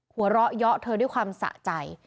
หัวเราะเยาะเธอด้วยความสะใจ